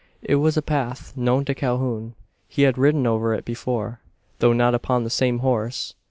It was a path known to Calhoun. He had ridden over it before, though not upon the same horse.